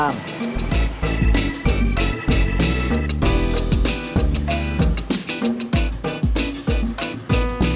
neng mau main kemana